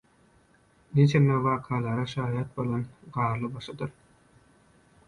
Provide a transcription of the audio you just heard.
Nijeme wakalara şaýat bolan garly başydyr?